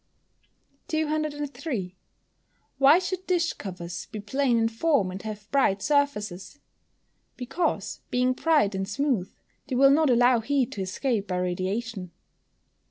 203. Why should dish covers be plain in form, and have bright surfaces? Because, being bright and smooth, they will not allow heat to escape by radiation.